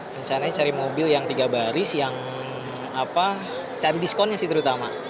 rencananya cari mobil yang tiga baris yang cari diskonnya sih terutama